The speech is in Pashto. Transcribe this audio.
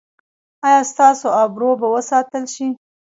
ایا ستاسو ابرو به وساتل شي؟